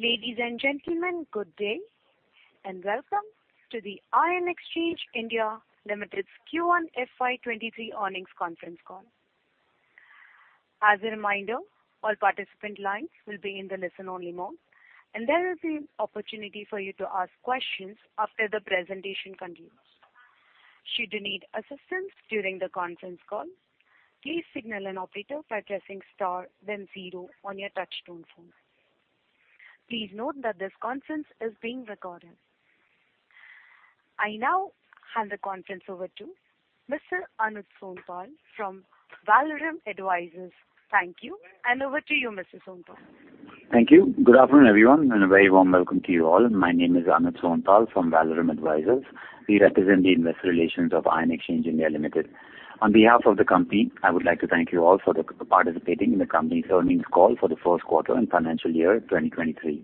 Ladies and gentlemen, good day, welcome to the Ion Exchange India Limited's Q1 FY 2023 earnings conference call. As a reminder, all participant lines will be in the listen-only mode, there will be opportunity for you to ask questions after the presentation concludes. Should you need assistance during the conference call, please signal an operator by pressing star then zero on your touchtone phone. Please note that this conference is being recorded. I now hand the conference over to Mr. Anuj Sonpal from Valorem Advisors. Thank you, over to you, Mr. Sonpal. Thank you. Good afternoon, everyone, a very warm welcome to you all. My name is Anuj Sonpal from Valorem Advisors. We represent the investor relations of Ion Exchange India Limited. On behalf of the company, I would like to thank you all for participating in the company's earnings call for the first quarter, financial year 2023.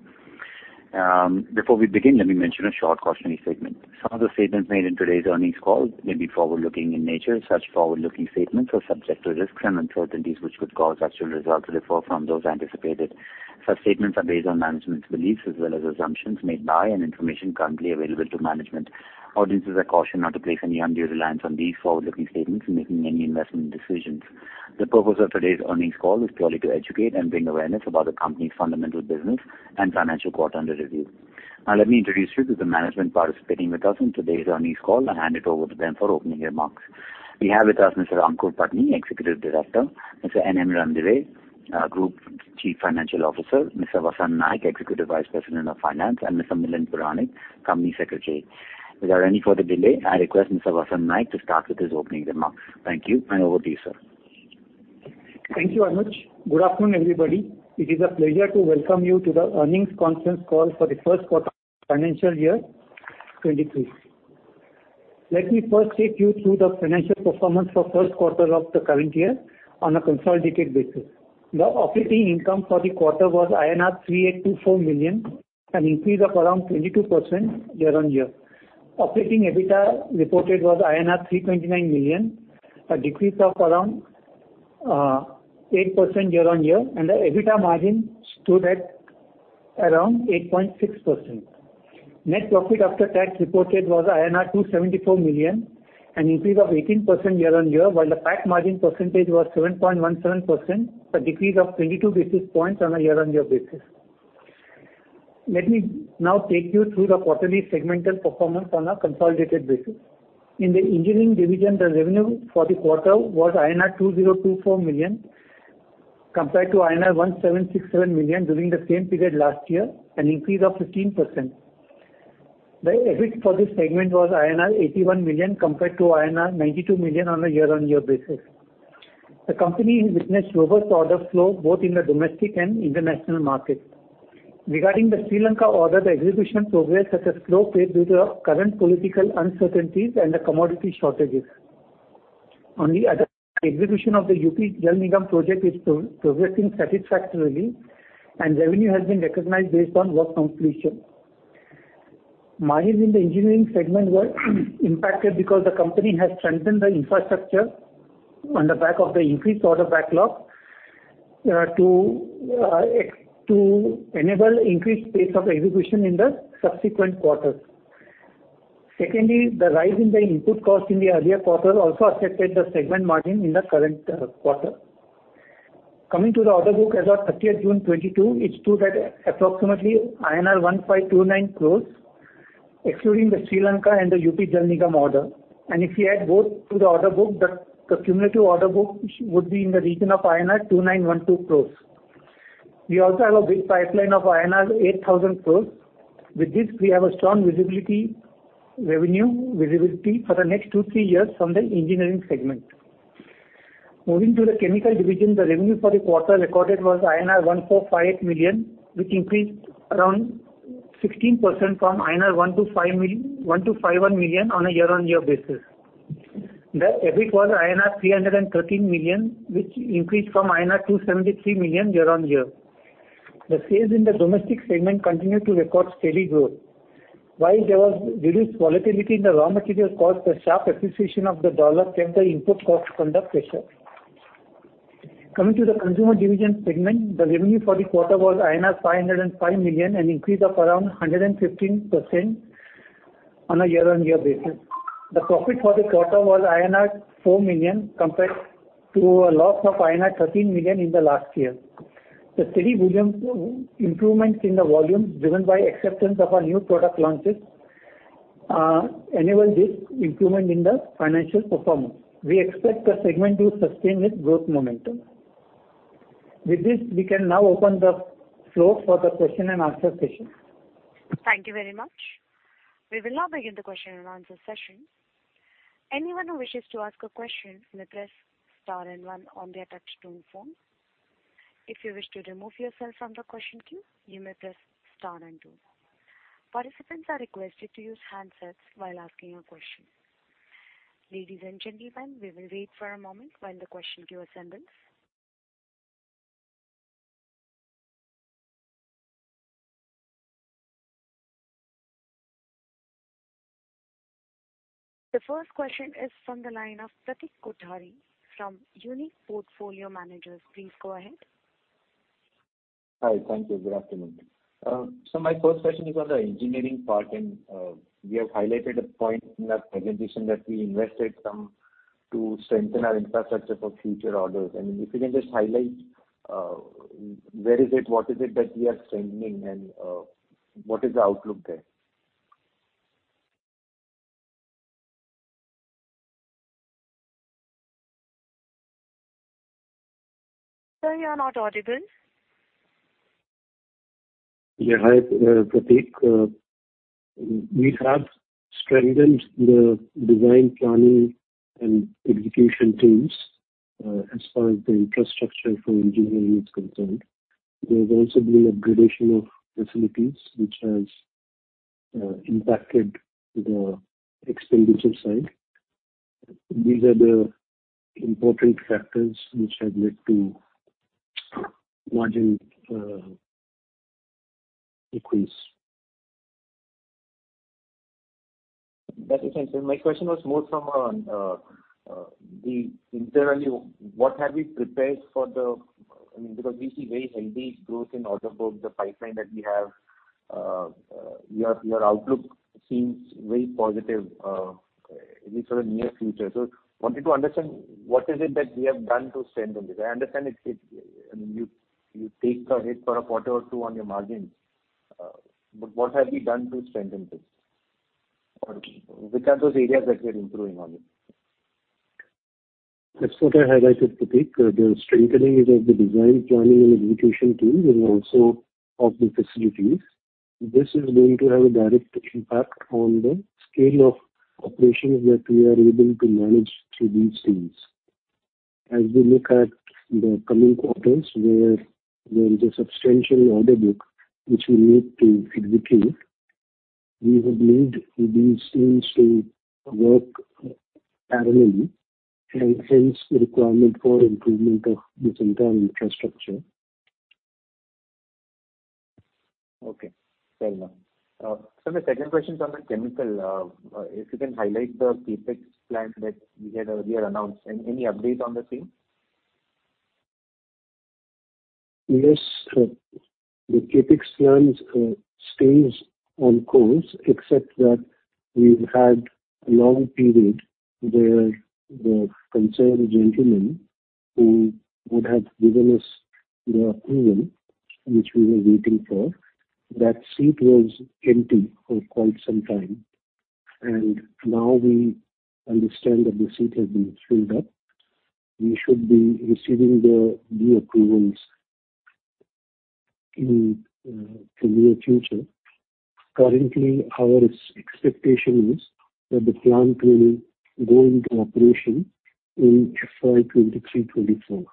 Before we begin, let me mention a short cautionary statement. Some of the statements made in today's earnings call may be forward-looking in nature. Such forward-looking statements are subject to risks and uncertainties, which could cause actual results to differ from those anticipated. Such statements are based on management's beliefs as well as assumptions made by and information currently available to management. Audiences are cautioned not to place any undue reliance on these forward-looking statements when making any investment decisions. The purpose of today's earnings call is purely to educate and bring awareness about the company's fundamental business and financial quarter under review. Now, let me introduce you to the management participating with us in today's earnings call, hand it over to them for opening remarks. We have with us Mr. Aankur Patni, Executive Director; Mr. N.M. Ranadive, Group Chief Financial Officer; Mr. Vasant Naik, Executive Vice President of Finance; Mr. Milind Puranik, Company Secretary. Without any further delay, I request Mr. Vasant Naik to start with his opening remarks. Thank you, over to you, sir. Thank you, Anuj. Good afternoon, everybody. It is a pleasure to welcome you to the earnings conference call for the first quarter of financial year 2023. Let me first take you through the financial performance for first quarter of the current year on a consolidated basis. The operating income for the quarter was INR 384 million, an increase of around 22% year-on-year. Operating EBITDA reported was INR 329 million, a decrease of around 8% year-on-year, and the EBITDA margin stood at around 8.6%. Net profit after tax reported was INR 274 million, an increase of 18% year-on-year, while the PAT margin percentage was 7.17%, a decrease of 22 basis points on a year-on-year basis. Let me now take you through the quarterly segmental performance on a consolidated basis. In the engineering division, the revenue for the quarter was INR 2,024 million compared to INR 1,767 million during the same period last year, an increase of 15%. The EBIT for this segment was INR 81 million compared to INR 92 million on a year-on-year basis. The company has witnessed robust order flow both in the domestic and international markets. Regarding the Sri Lanka order, the execution progress has slowed due to the current political uncertainties and the commodity shortages. On the other hand, execution of the UP Jal Nigam project is progressing satisfactorily, and revenue has been recognized based on work completion. Margins in the engineering segment were impacted because the company has strengthened the infrastructure on the back of the increased order backlog to enable increased pace of execution in the subsequent quarters. Secondly, the rise in the input cost in the earlier quarter also affected the segment margin in the current quarter. Coming to the order book as of 30th June 2022, it stood at approximately INR 1,529 crores, excluding the Sri Lanka and the UP Jal Nigam order. If we add both to the order book, the cumulative order book would be in the region of INR 2,912 crores. We also have a big pipeline of INR 8,000 crores. With this, we have a strong revenue visibility for the next two, three years from the engineering segment. Moving to the chemical division, the revenue for the quarter recorded was INR 1,458 million, which increased around 16% from INR 1,251 million on a year-on-year basis. The EBIT was INR 313 million, which increased from INR 273 million year-on-year. The sales in the domestic segment continued to record steady growth. While there was reduced volatility in the raw material cost, the sharp appreciation of the dollar kept the input cost under pressure. Coming to the consumer division segment, the revenue for the quarter was INR 505 million, an increase of around 115% on a year-on-year basis. The profit for the quarter was INR 4 million compared to a loss of INR 13 million in the last year. The steady improvements in the volume driven by acceptance of our new product launches enabled this improvement in the financial performance. We expect the segment to sustain its growth momentum. With this, we can now open the floor for the question-and-answer session. Thank you very much. We will now begin the question-and-answer session. Anyone who wishes to ask a question may press star and one on their touchtone phone. If you wish to remove yourself from the question queue, you may press star and two. Participants are requested to use handsets while asking a question. Ladies and gentlemen, we will wait for a moment while the question queue assembles. The first question is from the line of Pratik Kothari from Unique Portfolio Managers. Please go ahead. Hi. Thank you. Good afternoon. My first question is on the engineering part, you have highlighted a point in our presentation that we invested some to strengthen our infrastructure for future orders. If you can just highlight, where is it, what is it that we are strengthening, and what is the outlook there? Sir, you are not audible. Hi, Pratik. We have strengthened the design planning and execution teams as far as the infrastructure for engineering is concerned. There has also been up-gradation of facilities, which has impacted the expenditure side. These are the important factors which have led to margin decrease. That is essential. My question was more from on internally, what have we prepared? Because we see very healthy growth in order book, the pipeline that we have, your outlook seems very positive at least for the near future. Wanted to understand what is it that we have done to strengthen this. I understand, you take the hit for a quarter or two on your margins. What have we done to strengthen this? Which are those areas that we are improving on? That's what I have said, Pratik. The strengthening is of the design planning and execution teams and also of the facilities. This is going to have a direct impact on the scale of operations that we are able to manage through these teams. As we look at the coming quarters, where there is a substantial order book which we need to execute, we would need these teams to work parallelly, and hence the requirement for improvement of this internal infrastructure. Okay. Fair enough. Sir, the second question is on the chemical. If you can highlight the CapEx plan that we had earlier announced. Any update on the same? Yes. The CapEx plan stays on course, except that we've had a long period where the concerned gentleman who would have given us the approval, which we were waiting for, that seat was empty for quite some time. Now we understand that the seat has been filled up. We should be receiving the due approvals in the near future. Currently, our expectation is that the plant will go into operation in FY 2023, 2024.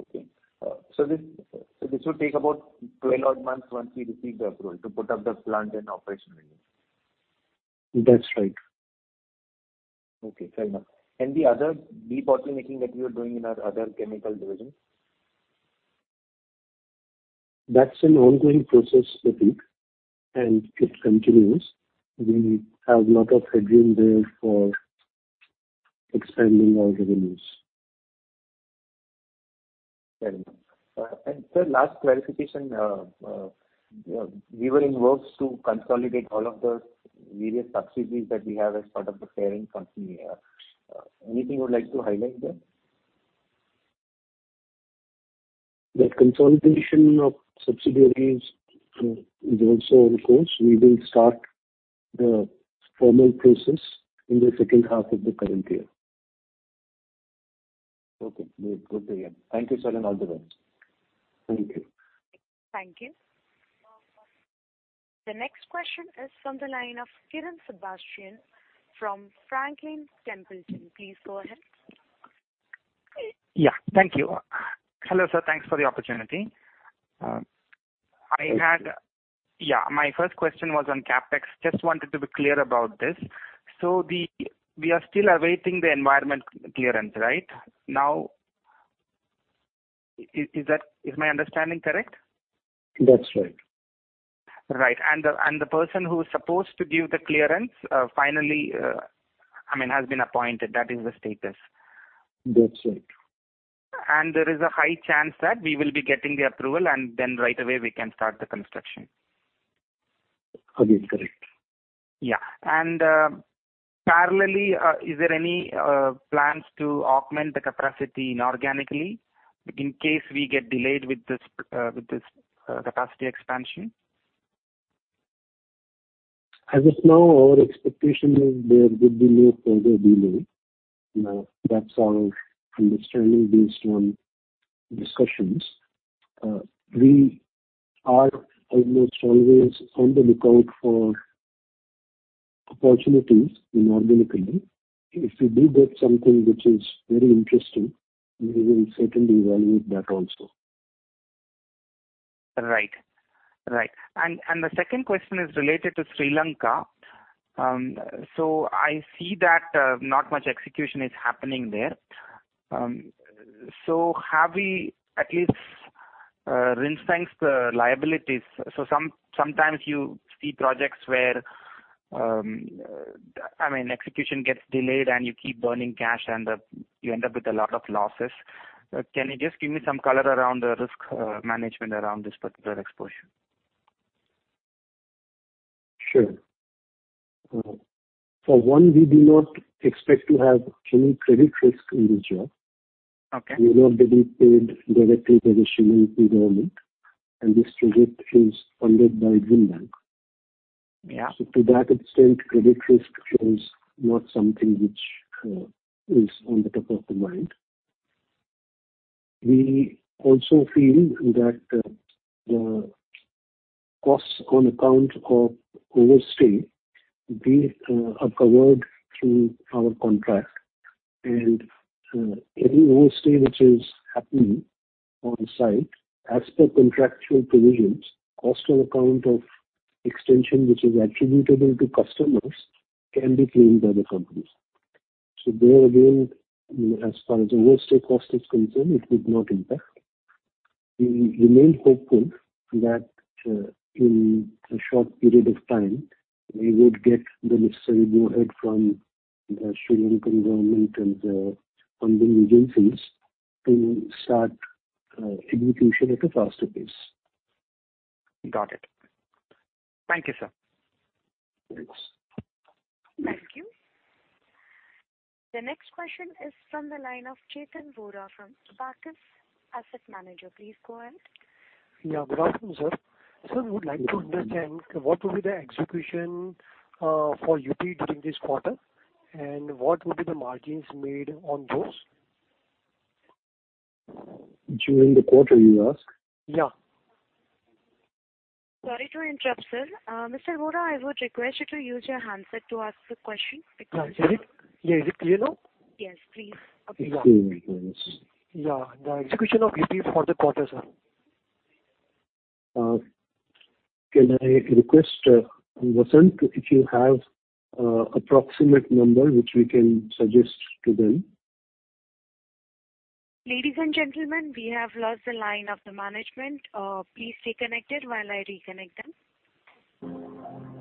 Okay. This would take about 12 odd months once we receive the approval to put up the plant and operationalize. That's right. Okay. Fair enough. The other debottlenecking that we are doing in our other chemical division? That's an ongoing process, Pratik, and it continues. We have lot of headroom there for expanding our revenues. Fair enough. Sir, last clarification. We were in works to consolidate all of the various subsidiaries that we have as part of the parent company. Anything you would like to highlight there? The consolidation of subsidiaries is also on course. We will start the formal process in the second half of the current year. Okay. We'll go through here. Thank you, sir, all the best. Thank you. Thank you. The next question is from the line of Kiran Sebastian from Franklin Templeton. Please go ahead. Yeah. Thank you. Hello, sir. Thanks for the opportunity. Thank you. Yeah. My first question was on CapEx. Just wanted to be clear about this. We are still awaiting the environment clearance, right? Now, is my understanding correct? That's right. Right. The person who's supposed to give the clearance finally has been appointed. That is the status. That's right. There is a high chance that we will be getting the approval, and then right away we can start the construction. Again, correct. Yeah. Parallelly, is there any plans to augment the capacity inorganically in case we get delayed with this capacity expansion? As of now, our expectation is there could be no further delay. That's our understanding based on discussions. We are almost always on the lookout for opportunities inorganically. If we do get something which is very interesting, we will certainly evaluate that also. Right. The second question is related to Sri Lanka. I see that not much execution is happening there. Have we at least ring-fenced's liabilities. Sometimes you see projects where execution gets delayed, and you keep burning cash and you end up with a lot of losses. Can you just give me some color around the risk management around this particular exposure? Sure. For one, we do not expect to have any credit risk in this job. Okay. We are not being paid directly by the Sri Lankan government, and this project is funded by World Bank. Yeah. To that extent, credit risk is not something which is on the top of the mind. We also feel that the costs on account of overstay are covered through our contract. Any overstay which is happening on site, as per contractual provisions, cost on account of extension which is attributable to customers can be claimed by the companies. There, again, as far as the overstay cost is concerned, it would not impact. We remain hopeful that in a short period of time, we would get the necessary go-ahead from the Sri Lankan government and the funding agencies to start execution at a faster pace. Got it. Thank you, sir. Thanks. Thank you. The next question is from the line of Chetan Vora from Abakkus Asset Manager. Please go ahead. Yeah. Good afternoon, sir. Sir, would like to understand what will be the execution for UP during this quarter, what would be the margins made on those? During the quarter, you ask? Yeah. Sorry to interrupt, sir. Mr. Vora, I would request you to use your handset to ask the question because Yeah. Is it clear now? Yes, please. Okay. It's clear, yes. Yeah. The execution of UP for the quarter, sir. Can I request Vasant, if you have approximate number which we can suggest to them? Ladies and gentlemen, we have lost the line of the management. Please stay connected while I reconnect them.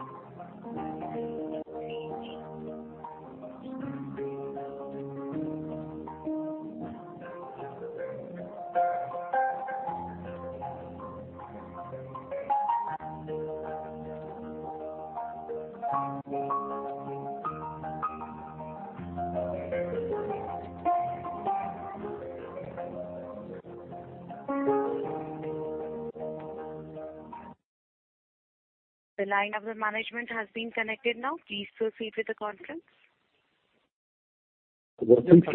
The line of the management has been connected now. Please proceed with the conference. Vasant,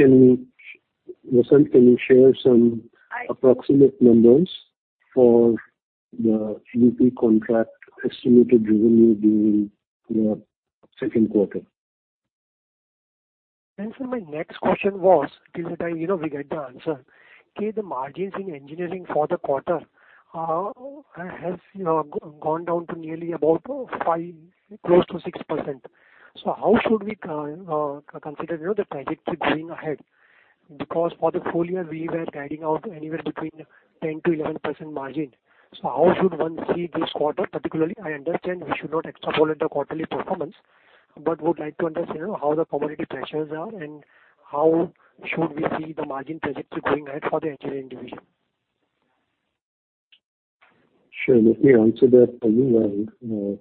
can you share some approximate numbers for the UP contract estimated revenue during the second quarter? Sir, my next question was, till the time we get the answer, the margins in engineering for the quarter has gone down to nearly about close to 6%. How should we consider the trajectory going ahead? Because for the full year, we were guiding out anywhere between 10%-11% margin. How should one see this quarter, particularly? I understand we should not extrapolate the quarterly performance, but would like to understand how the commodity pressures are and how should we see the margin trajectory going ahead for the engineering division? Sure. Let me answer that for you while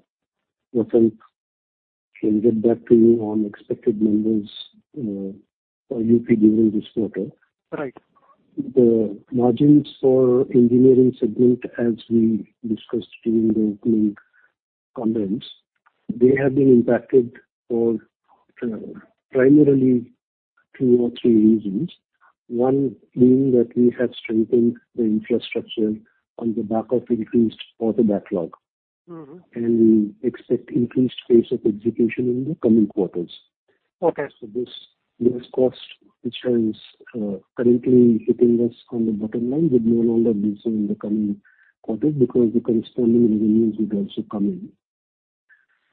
Vasant can get back to you on expected numbers for UP during this quarter. Right. The margins for engineering segment, as we discussed during the earnings conference, they have been impacted for primarily two or three reasons. One being that we have strengthened the infrastructure on the back of increased order backlog. We expect increased pace of execution in the coming quarters. Okay. This cost, which is currently hitting us on the bottom line, would no longer be so in the coming quarters because the corresponding revenues would also come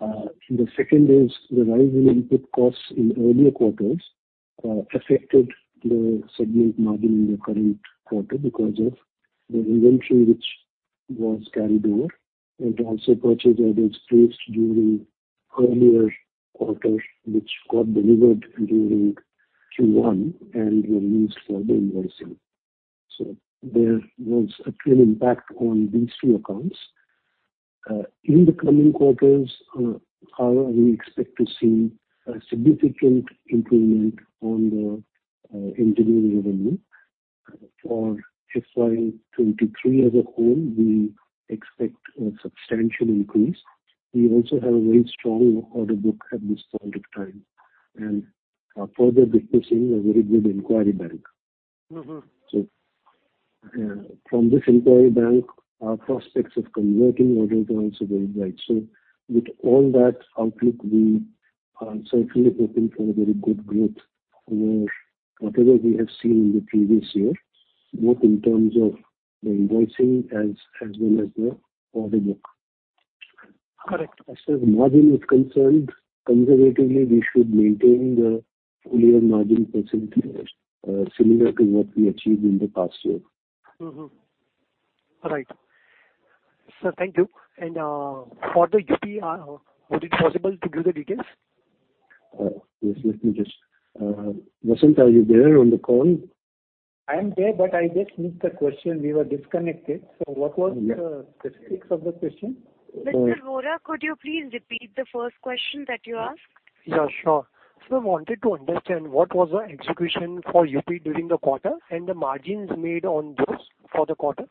in. The second is the rising input costs in earlier quarters affected the segment margin in the current quarter because of the inventory which was carried over, and also purchase orders placed during earlier quarter, which got delivered during Q1 and were released for the invoicing. There was a clear impact on these two accounts. In the coming quarters, however, we expect to see a significant improvement on the engineering revenue. For FY 2023 as a whole, we expect a substantial increase. We also have a very strong order book at this point of time, and are further witnessing a very good inquiry bank. From this inquiry bank, our prospects of converting orders are also very bright. With all that outlook, we are certainly hoping for a very good growth over whatever we have seen in the previous year, both in terms of the invoicing as well as the order book. Correct. As far as margin is concerned, conservatively, we should maintain the full year margin percentage, similar to what we achieved in the past year. Mm-hmm. All right. Sir, thank you. For the UPI, would it be possible to give the details? Yes. Let me just Vasant, are you there on the call? I am there, I just missed the question. We were disconnected. What was the specifics of the question? Mr. Vora, could you please repeat the first question that you asked? Yeah, sure. Sir, I wanted to understand what was the execution for UP Jal Nigam during the quarter and the margins made on those for the quarter.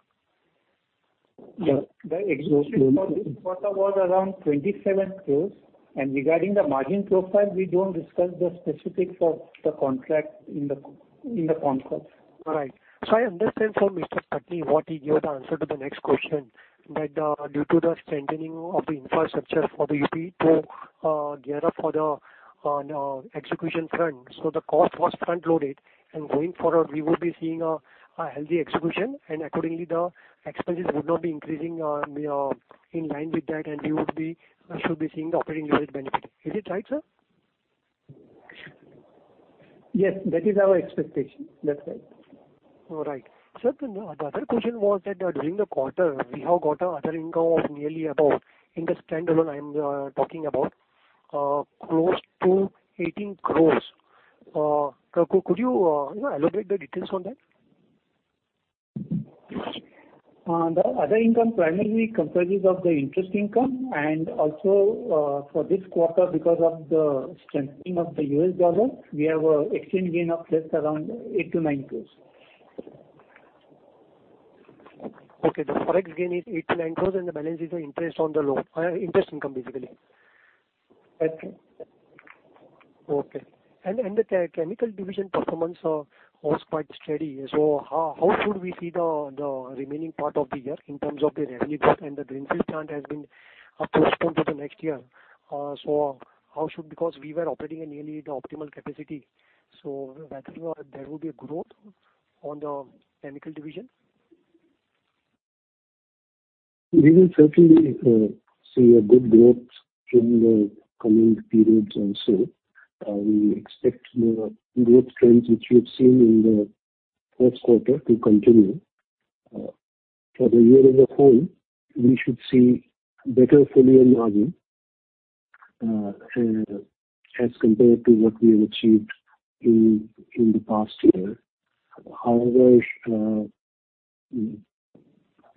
The execution for this quarter was around 27 crores. Regarding the margin profile, we don't discuss the specifics of the contract in the conference. All right. I understand from Mr. Patni what he gave the answer to the next question, that due to the strengthening of the infrastructure for the UP Jal Nigam to gear up for the execution front, so the cost was front-loaded. Going forward, we would be seeing a healthy execution, and accordingly, the expenses would now be increasing in line with that, and we should be seeing the operating leverage benefit. Is it right, sir? Yes, that is our expectation. That's right. All right. Sir, the other question was that during the quarter, we have got other income of nearly about, in the standalone I am talking about, close to 18 crores. Could you elaborate the details on that? The other income primarily comprises of the interest income, and also for this quarter, because of the strengthening of the US dollar, we have an exchange gain of just around 8-9 crores. Okay. The Forex gain is 8-9 crores, and the balance is the interest on the loan. Interest income, basically. That's it. Okay. The chemical division performance was quite steady. How should we see the remaining part of the year in terms of the revenue there? The greenfield plant has been postponed to the next year. We were operating at nearly the optimal capacity, whether there will be a growth on the chemical division? We will certainly see a good growth in the coming periods also. We expect the growth trends which we've seen in the first quarter to continue. For the year as a whole, we should see better full year margin as compared to what we have achieved in the past year. However,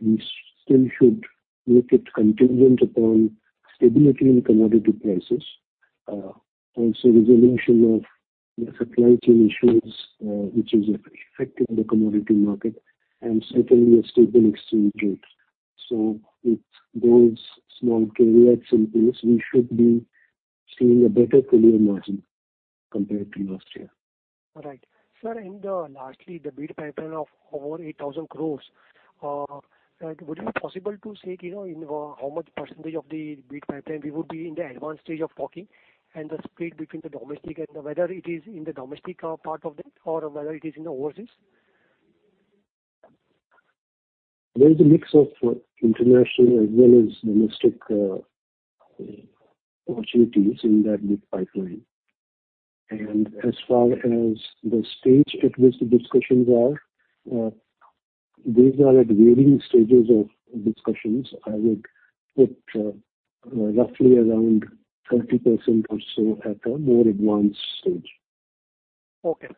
we still should look at contingent upon stability in commodity prices. Resolution of the supply chain issues, which is affecting the commodity market, and certainly a stable exchange rate. If those small caveats in place, we should be seeing a better full year margin compared to last year. All right. Sir, lastly, the bid pipeline of over 8,000 crores. Would it be possible to say how much % of the bid pipeline we would be in the advanced stage of talking, the split between the domestic and whether it is in the domestic part of that or whether it is in the overseas? There is a mix of international as well as domestic opportunities in that bid pipeline. As far as the stage at which the discussions are, these are at varying stages of discussions. I would put roughly around 30% or so at a more advanced stage. Okay.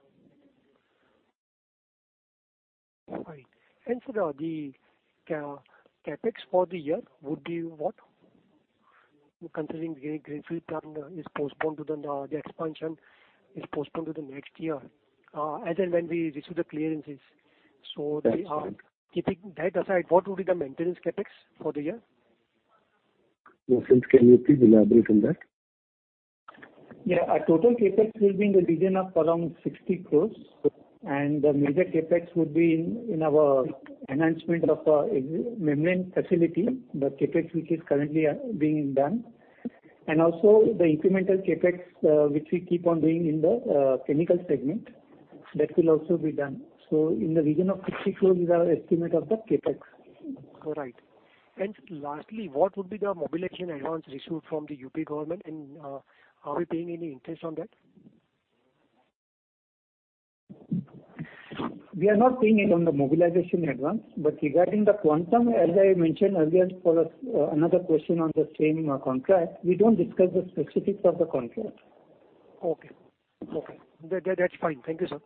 Fine. Sir, the CapEx for the year would be what? Considering the greenfield plant expansion is postponed to the next year, as and when we receive the clearances. That's right. Keeping that aside, what would be the maintenance CapEx for the year? Vasant, can you please elaborate on that? Yeah. Our total CapEx will be in the region of around 60 crores, the major CapEx would be in our enhancement of our membrane facility, the CapEx which is currently being done. Also the incremental CapEx, which we keep on doing in the chemical segment. That will also be done. In the region of 60 crores is our estimate of the CapEx. All right. Lastly, what would be the mobilization advance received from the U.P. government, and are we paying any interest on that? We are not paying any on the mobilization advance. Regarding the quantum, as I mentioned earlier for another question on the framing of contract, we don't discuss the specifics of the contract. Okay. That's fine. Thank you, sir.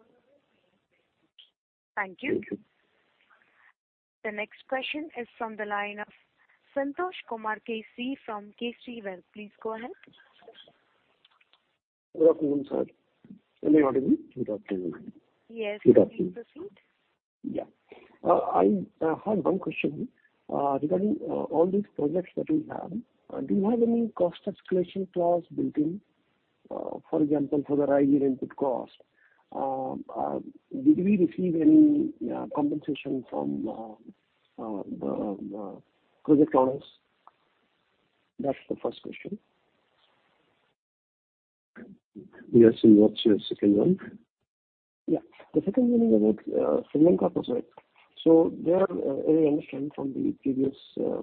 Thank you. Thank you. The next question is from the line of Santosh Kumar KC from KC Wealth. Please go ahead. Good afternoon, sir. Am I audible? Good afternoon. Yes. Good afternoon. Please proceed. Yeah. I have one question. Regarding all these projects that you have, do you have any cost escalation clause built in? For example, for the rise in input cost. Did we receive any compensation from the project owners? That's the first question. Yes, what's your second one? Yeah. The second one is about Sri Lanka project. There, I understand from the previous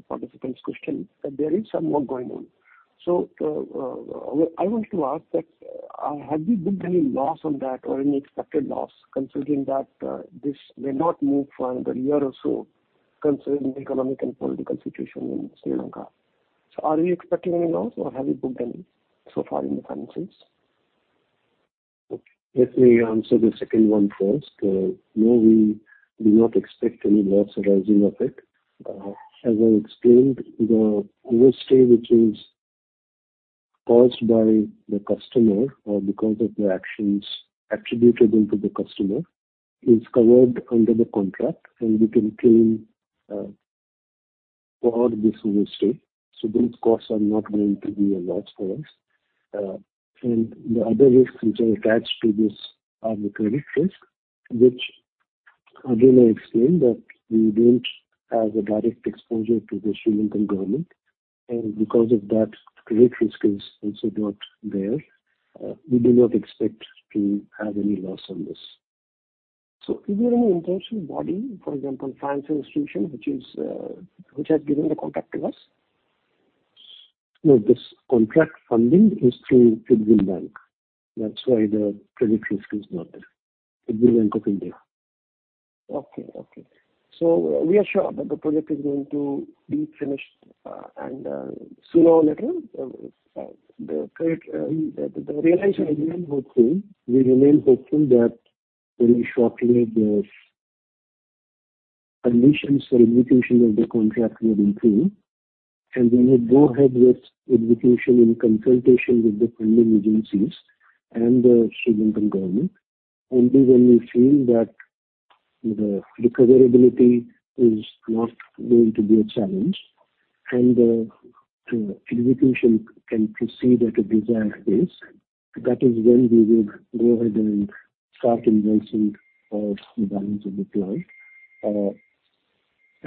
participant's question that there is some work going on. I want to ask that, have we booked any loss on that or any expected loss considering that this may not move for another year or so considering the economic and political situation in Sri Lanka? Are we expecting any loss or have we booked any so far in the finances? Let me answer the second one first. No, we do not expect any loss arising of it. As I explained, the overstay which is caused by the customer or because of the actions attributable to the customer is covered under the contract and we can claim for this overstay. Those costs are not going to be a loss for us. The other risk which are attached to this are the credit risk, which again, I explained that we don't have a direct exposure to the Sri Lankan government. Because of that, credit risk is also not there. We do not expect to have any loss on this. Is there any intervention body, for example, financial institution, which has given the contract to us? No, this contract funding is through IDBI Bank. That's why the credit risk is not there. EXIM Bank of India. Okay. We are sure that the project is going to be finished, and sooner or later, the realization. We remain hopeful that very shortly, the conditions for execution of the contract will improve, and we will go ahead with execution in consultation with the funding agencies and the Sri Lankan government only when we feel that the recoverability is not going to be a challenge and the execution can proceed at a desired pace. That is when we would go ahead and start invoicing for the balance of the plant.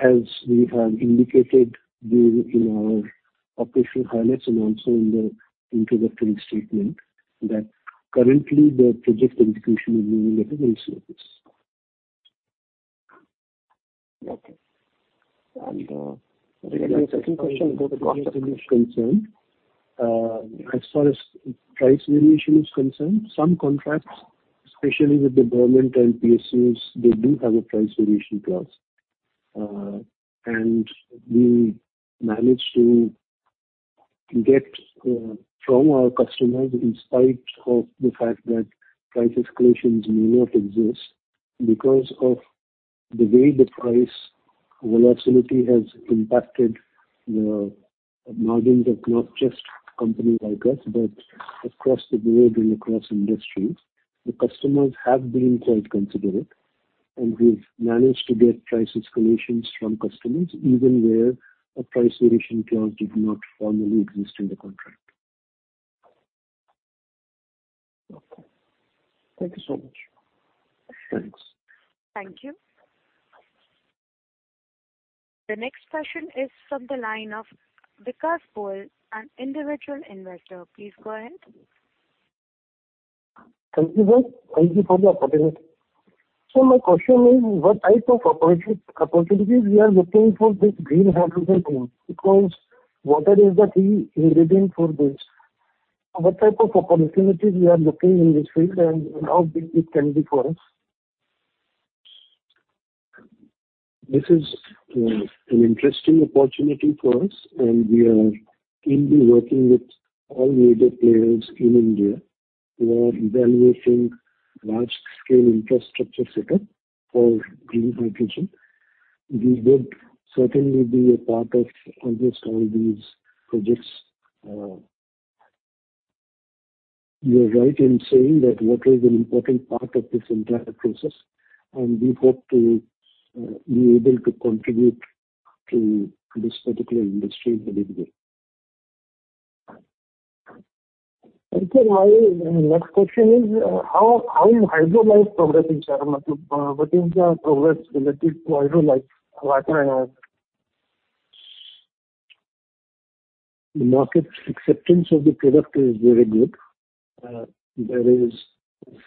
As we have indicated during in our operational highlights and also in the introductory statement that currently the project execution is moving at a very slow pace. Okay. Regarding my second question. As far as price variation is concerned, some contracts, especially with the government and PSUs, they do have a price variation clause. We managed to get from our customers, in spite of the fact that price escalations may not exist because of the way the price volatility has impacted the margins of not just company like us, but across the board and across industries. The customers have been quite considerate, and we've managed to get price escalations from customers even where a price variation clause did not formally exist in the contract. Okay. Thank you so much. Thanks. Thank you. The next question is from the line of Vikas Goel, an individual investor. Please go ahead. Thank you, ma'am. Thank you for the opportunity. My question is, what type of opportunities we are looking for this green hydrogen pool, because water is the key ingredient for this. What type of opportunities we are looking in this field and how big it can be for us? This is an interesting opportunity for us. We are indeed working with all major players in India who are evaluating large-scale infrastructure setup for green hydrogen. We would certainly be a part of almost all these projects. You are right in saying that water is an important part of this entire process. We hope to be able to contribute to this particular industry in a big way. Sir, my next question is, how is Hydrolife progressing, sir? What is the progress related to Hydrolife water? The market acceptance of the product is very good. There is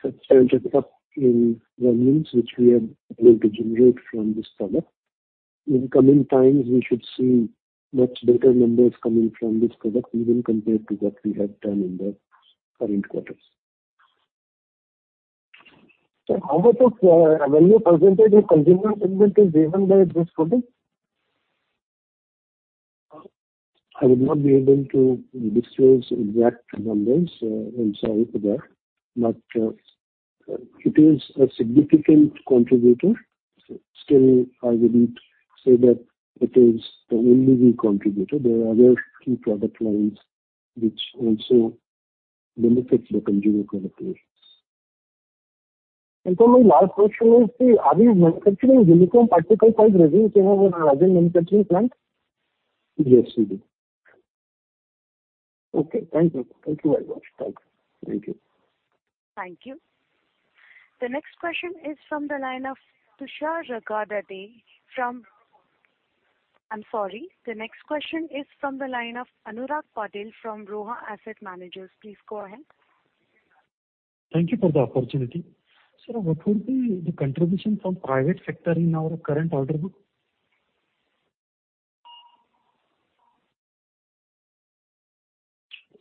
substantial up in volumes which we have been able to generate from this product. In coming times, we should see much better numbers coming from this product even compared to what we have done in the current quarters. Sir, how much of value percentage of consumer segment is driven by this product? I would not be able to disclose exact numbers. I'm sorry for that. It is a significant contributor. Still, I wouldn't say that it is the only big contributor. There are other key product lines which also benefit the consumer categories. Sir, my last question is, are we manufacturing uniform particle size resins in our Rajend manufacturing plant? Yes, we do. Okay, thank you. Thank you very much. Thank you. Thank you. The next question is from the line of Tushar Jagirdar. The next question is from the line of Anurag Patil from Roha Asset Managers. Please go ahead. Thank you for the opportunity. Sir, what will be the contribution from private sector in our current order book?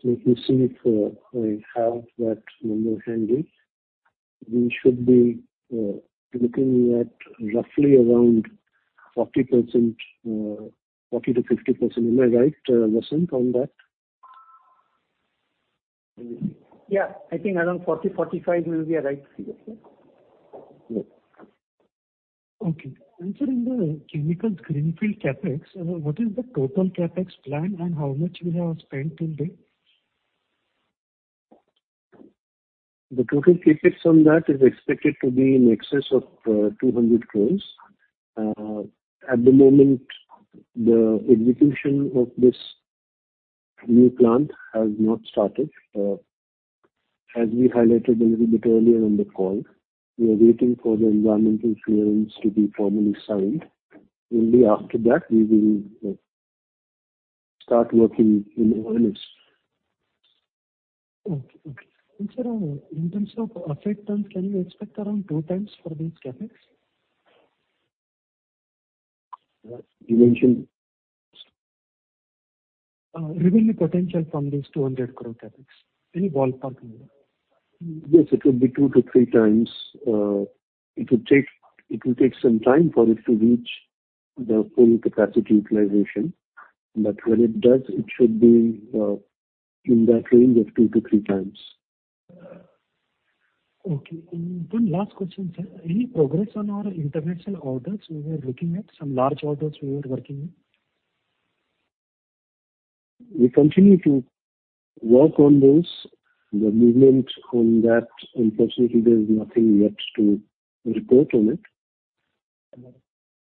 Let me see if I have that number handy. We should be looking at roughly around 40%-50%. Am I right, Vasant, on that? Yeah. I think around 40, 45 will be a right figure, sir. Okay. Sir, in the chemicals greenfield CapEx, what is the total CapEx plan and how much we have spent till date? The total CapEx on that is expected to be in excess of 200 crore. At the moment, the execution of this new plant has not started. As we highlighted a little bit earlier in the call, we are waiting for the environmental clearance to be formally signed. Only after that we will start working in earnest. Okay. sir, in terms of effect terms, can we expect around 2x for this CapEx? You mentioned? Revenue potential from this 200 crore CapEx. Any ballpark figure? Yes, it will be 2x-3x. It will take some time for it to reach the full capacity utilization. When it does, it should be in that range of 2x-3x. Okay. One last question, sir. Any progress on our international orders? We were looking at some large orders we were working on. We continue to work on those. The movement on that, unfortunately, there is nothing yet to report on it.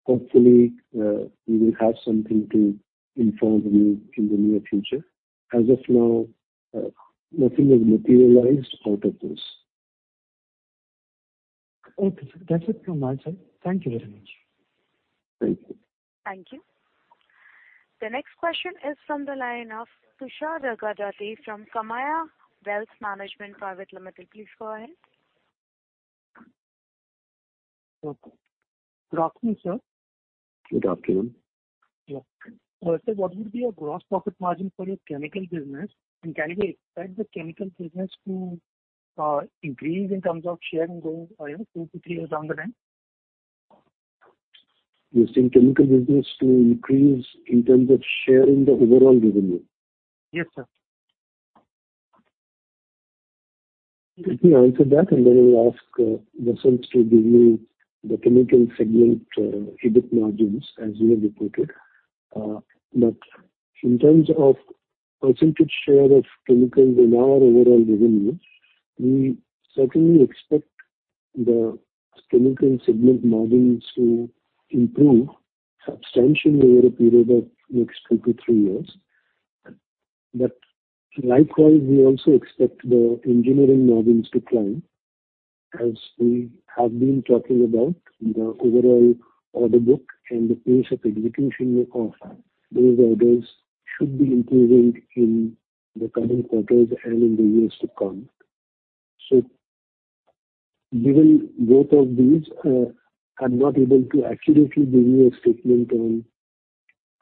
Hopefully, we will have something to inform you in the near future. As of now, nothing has materialized out of this. Okay, sir. That is it from my side. Thank you very much. Thank you. Thank you. The next question is from the line of Tushar Gadade from Kamaya Wealth Management Private Limited. Please go ahead. Good afternoon, sir. Good afternoon. Sir, what would be your gross profit margin for your chemical business, and can we expect the chemical business to increase in terms of share in the two to three years down the line? You're saying chemical business to increase in terms of share in the overall revenue? Yes, sir. Let me answer that, and then I'll ask Vasant to give you the chemical segment EBIT margins as you have reported. In terms of percentage share of chemical in our overall revenue, we certainly expect the chemical segment margins to improve substantially over a period of next two to three years. Likewise, we also expect the engineering margins to climb. As we have been talking about the overall order book and the pace of execution thereof, those orders should be improving in the coming quarters and in the years to come. Given both of these, I'm not able to accurately give you a statement on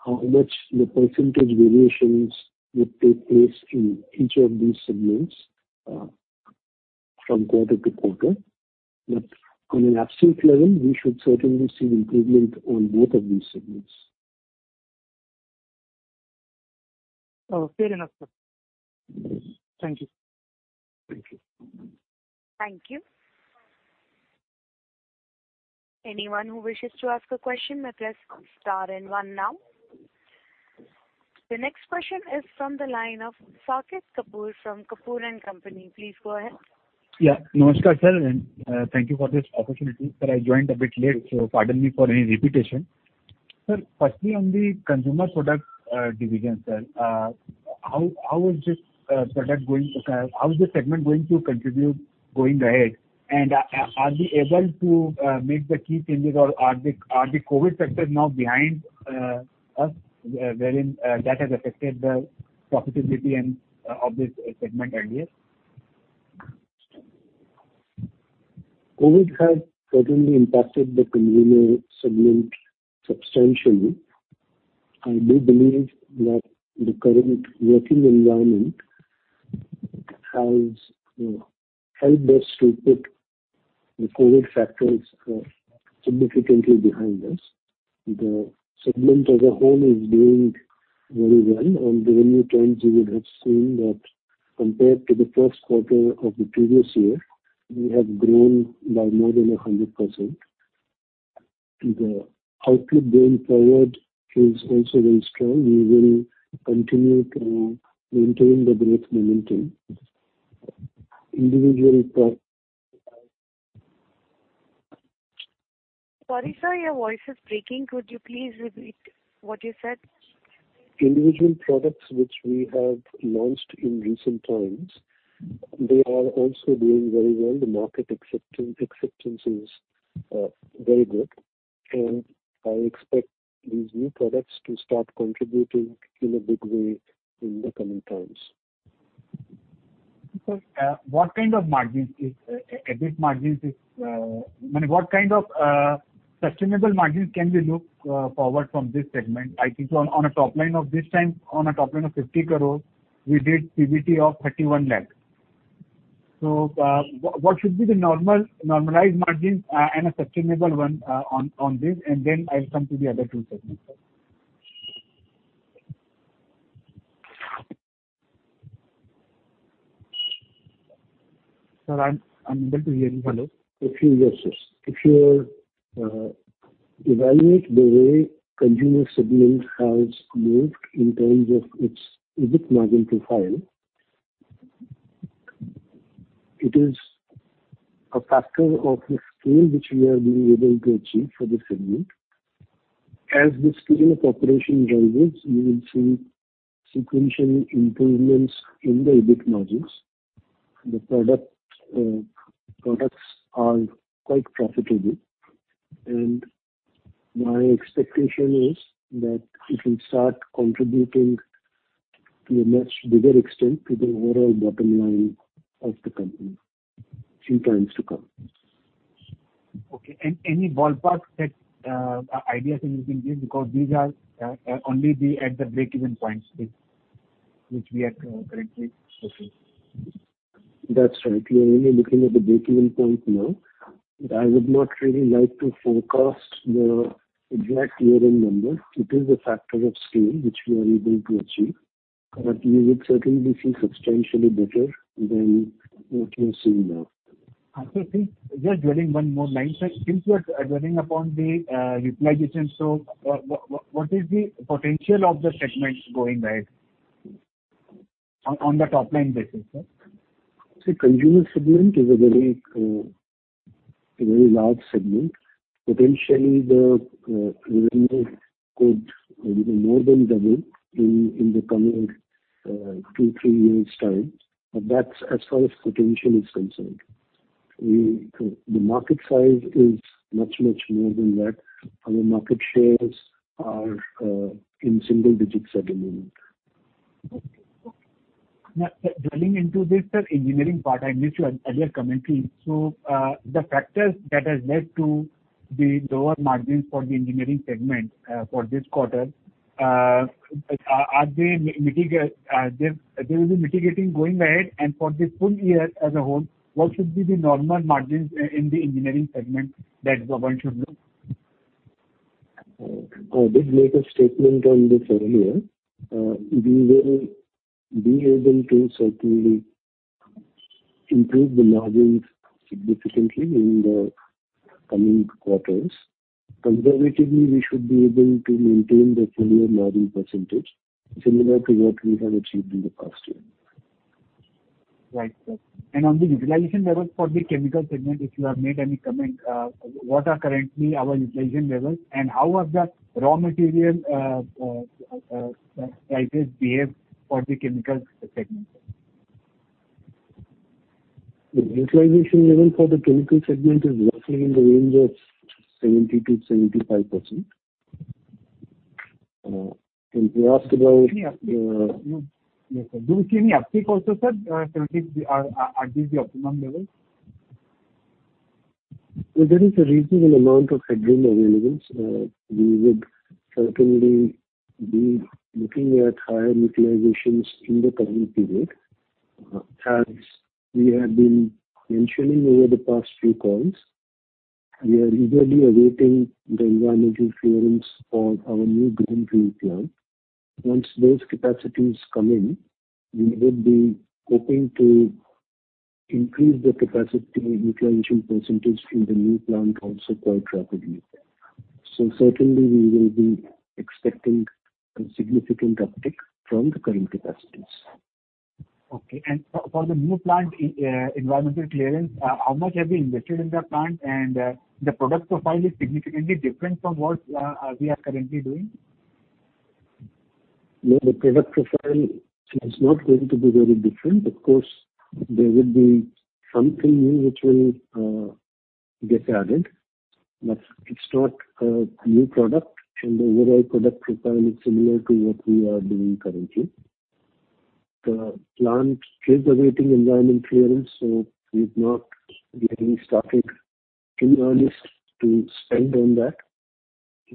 how much the percentage variations would take place in each of these segments from quarter to quarter. On an absolute level, we should certainly see improvement on both of these segments. Fair enough, sir. Thank you. Thank you. Thank you. Anyone who wishes to ask a question may press star and one now. The next question is from the line of Saket Kapoor from Kapoor & Company. Please go ahead. Yeah. Namaskar, sir, and thank you for this opportunity. Sir, I joined a bit late, so pardon me for any repetition. Sir, firstly on the consumer products division, sir, how is this segment going to contribute going ahead? Are we able to make the key changes or are the COVID factors now behind us wherein that has affected the profitability of this segment earlier? COVID has certainly impacted the consumer segment substantially. I do believe that the current working environment has helped us to put the COVID factors significantly behind us. The segment as a whole is doing very well. On revenue terms, you would have seen that compared to the first quarter of the previous year, we have grown by more than 100%. The outlook going forward is also very strong. We will continue to maintain the growth momentum. Sorry, sir. Your voice is breaking. Could you please repeat what you said? Individual products which we have launched in recent times, they are also doing very well. The market acceptance is very good. I expect these new products to start contributing in a big way in the coming times. Sir, what kind of sustainable margins can we look forward from this segment? I think on a top line of 50 crore, we did PBT of 31 lakh. What should be the normalized margin and a sustainable one on this? Then I'll come to the other two segments, sir. Sir, I'm unable to hear you. Hello? A few years, yes. If you evaluate the way consumer segment has moved in terms of its EBIT margin profile, it is a factor of the scale which we are being able to achieve for this segment. As the scale of operation drives, we will see sequential improvements in the EBIT margins. The products are quite profitable, and my expectation is that it will start contributing to a much bigger extent to the overall bottom line of the company few times to come. Okay. Any ballpark ideas that you can give? Because these are only at the break-even points, which we are currently facing. That's right. We are only looking at the break-even point now. I would not really like to forecast the exact year-end number. It is a factor of scale which we are able to achieve. We would certainly see substantially better than what we are seeing now. Just dwelling one more line, sir. Since you are dwelling upon the utilization, what is the potential of the segment going ahead on the top-line basis, sir? consumer segment is a very large segment. Potentially, the revenue could maybe more than double in the coming two, three years' time. That's as far as potential is concerned. The market size is much more than that. Our market shares are in single digits at the moment. dwelling into this, sir, engineering part, I missed your earlier comment. The factors that has led to the lower margins for the engineering segment for this quarter, they will be mitigating going ahead? For the full year as a whole, what should be the normal margins in the engineering segment that one should look? I did make a statement on this earlier. We will be able to certainly improve the margins significantly in the coming quarters. Conservatively, we should be able to maintain the full-year margin % similar to what we have achieved in the past year. Right, sir. On the utilization levels for the chemical segment, if you have made any comment, what are currently our utilization levels, and how have the raw material prices behaved for the chemical segment? The utilization level for the chemical segment is roughly in the range of 70%-75%. You asked about. Yes, sir. Do we see any uptick also, sir, or are these the optimum levels? Well, there is a reasonable amount of headroom available. We would certainly be looking at higher utilizations in the coming period. As we have been mentioning over the past few calls, we are eagerly awaiting the environmental clearance for our new greenfield plant. Once those capacities come in, we would be hoping to increase the capacity utilization percentage in the new plant also quite rapidly. Certainly, we will be expecting a significant uptick from the current capacities. Okay. For the new plant environmental clearance, how much have we invested in that plant, and the product profile is significantly different from what we are currently doing? No, the product profile is not going to be very different. Of course, there will be something new which will get added, but it's not a new product, and the overall product profile is similar to what we are doing currently. The plant is awaiting environment clearance, so we've not really started too earnest to spend on that.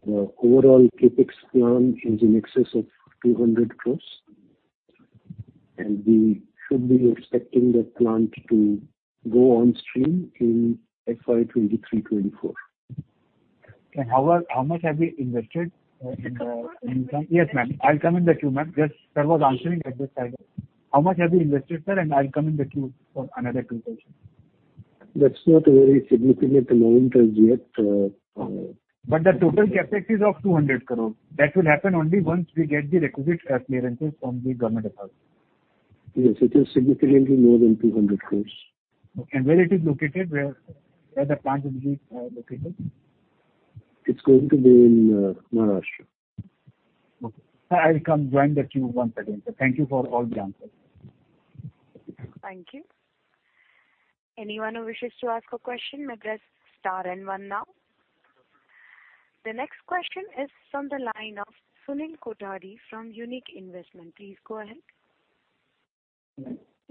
The overall CapEx plan is in excess of 200 crore, and we should be expecting the plant to go on stream in FY 2023, 2024. How much have we invested in the plant? Sir. Yes, ma'am. I'll come in the queue, ma'am. Just sir was answering that question. How much have you invested, sir? I'll come in the queue for another two questions. That's not a very significant amount as yet. The total CapEx is of 200 crore. That will happen only once we get the requisite clearances from the government authorities. Yes, it is significantly more than 200 crore. Okay. Where it is located? Where the plant will be located? It's going to be in Maharashtra. Okay. I'll come join the queue once again, sir. Thank you for all the answers. Thank you. Anyone who wishes to ask a question may press star and one now. The next question is from the line of Sunil Kothari from Unique Investment. Please go ahead.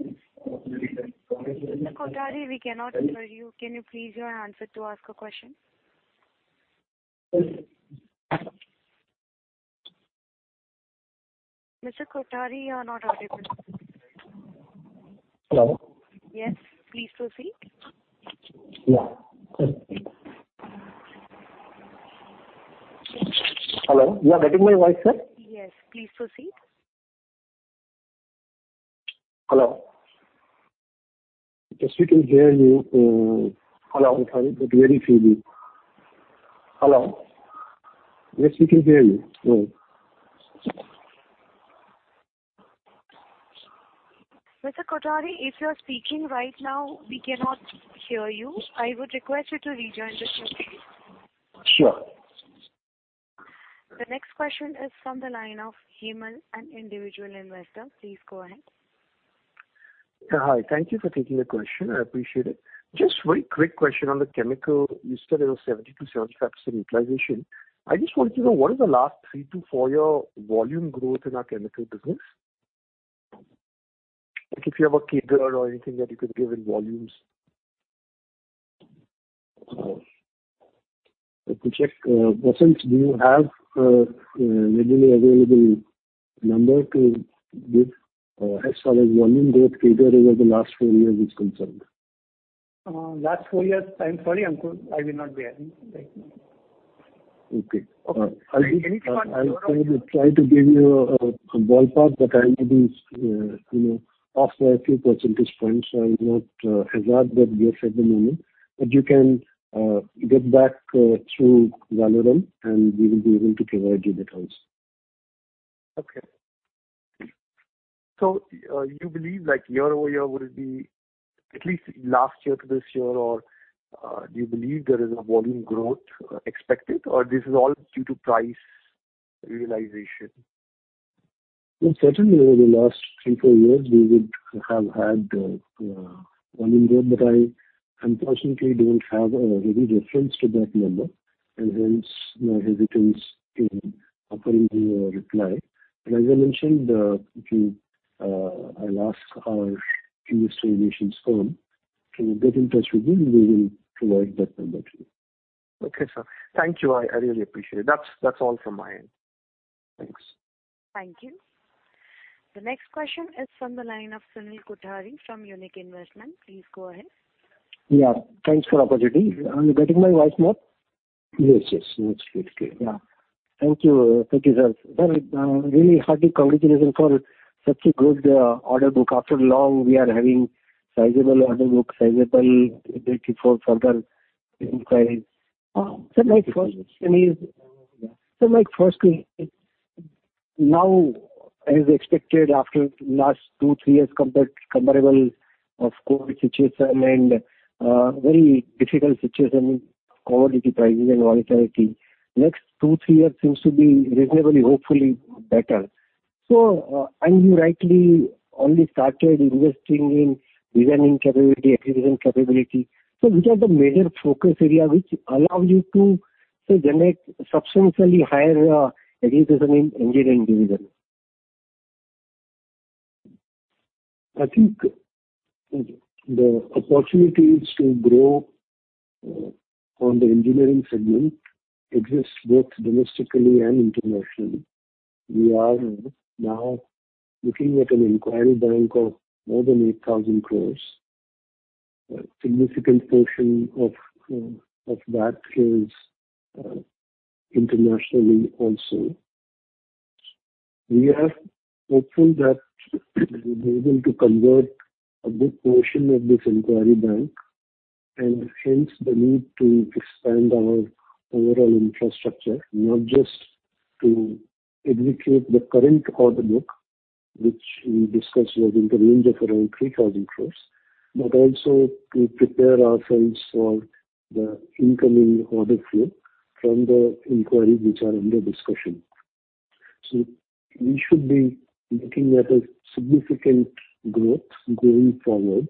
Mr. Kothari, we cannot hear you. Can you please join again to ask a question? Mr. Kothari, you are not audible. Hello. Yes, please proceed. Yeah. Hello. You are getting my voice, sir? Yes. Please proceed. Hello. Yes, we can hear you. Hello. Sorry, but very feebly. Hello. Yes, we can hear you now. Mr. Kothari, if you're speaking right now, we cannot hear you. I would request you to rejoin the queue, please. Sure. The next question is from the line of Hemal, an individual investor. Please go ahead. Hi. Thank you for taking the question. I appreciate it. Just very quick question on the chemical. You said it was 72, 75% utilization. I just wanted to know, what is the last three-to-four-year volume growth in our chemical business? If you have a data or anything that you could give in volumes. Let me check. Vasant, do you have a readily available number to give as far as volume growth data over the last four years is concerned? Last four years, I'm sorry, Ankur, I will not be having right now. Okay. Anything on year-over-year. I'll try to give you a ballpark, but I may be off by a few percentage points. I will not hazard a guess at the moment. You can get back through Valorem and we will be able to provide you the details. Okay. You believe year-over-year would be, at least last year to this year, or do you believe there is a volume growth expected, or this is all due to price realization? Well, certainly over the last three, four years, we would have had volume growth. I unfortunately don't have a ready reference to that number, hence my hesitance in offering you a reply. As I mentioned, I'll ask our investor relations firm. Can you get in touch with him, we will provide that number to you. Okay, sir. Thank you. I really appreciate it. That's all from my end. Thanks. Thank you. The next question is from the line of Sunil Kothari from Unique Investment. Please go ahead. Yeah. Thanks for the opportunity. Are you getting my voice now? Yes. Much better. Yeah. Thank you. Thank you, sir. Sir, really hearty congratulations for such a good order book. After long, we are having sizable order book, sizable ability for further inquiries. Sir, my first query. Now, as expected after last two, three years comparable of COVID situation and very difficult situation, commodity pricing and volatility, next two, three years seems to be reasonably hopefully better. You rightly only started investing in designing capability, execution capability. So which are the major focus areas which allow you to generate substantially higher utilization in engineering division? I think the opportunities to grow on the engineering segment exists both domestically and internationally. We are now looking at an inquiry bank of more than 8,000 crore. A significant portion of that is internationally also. We are hopeful that we will be able to convert a good portion of this inquiry bank, hence the need to expand our overall infrastructure, not just to execute the current order book, which we discussed was in the range of around 3,000 crore, but also to prepare ourselves for the incoming order flow from the inquiries which are under discussion. We should be looking at a significant growth going forward,